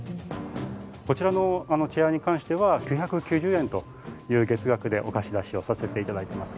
こちらのチェアに関しては９９０円という月額でお貸出しをさせて頂いてます。